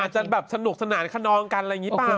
จะแบบสนุกสนานขนองกันอะไรอย่างนี้เปล่า